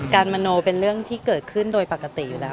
มโนเป็นเรื่องที่เกิดขึ้นโดยปกติอยู่แล้ว